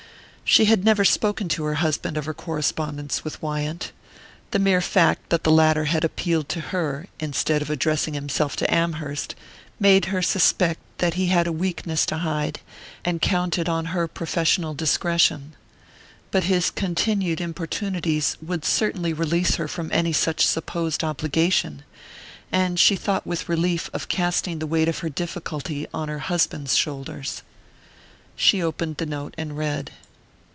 She had never spoken to her husband of her correspondence with Wyant. The mere fact that the latter had appealed to her, instead of addressing himself to Amherst, made her suspect that he had a weakness to hide, and counted on her professional discretion. But his continued importunities would certainly release her from any such supposed obligation; and she thought with relief of casting the weight of her difficulty on her husband's shoulders. She opened the note and read.